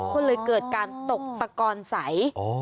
ก็เลยเกิดการตกตะกอนใส